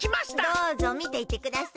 どうぞみていってください。